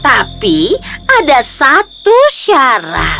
tapi ada satu syarat